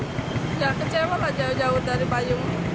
ya kecewa lah jauh jauh dari payung